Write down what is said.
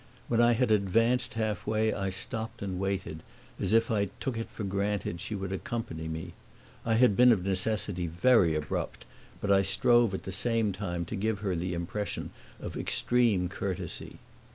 When I had advanced halfway I stopped and waited, as if I took it for granted she would accompany me. I had been of necessity very abrupt, but I strove at the same time to give her the impression of extreme courtesy.